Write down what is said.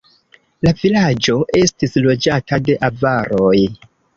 La vilaĝo estis loĝata de avaroj.